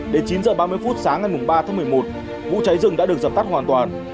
đến chín h ba mươi phút sáng ngày ba tháng một mươi một vụ cháy rừng đã được dập tắt hoàn toàn